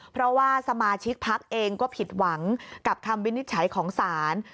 เพราะว่าสมาชิกพักเองก็ผิดหวังกับคำวินิจฉัยของศาล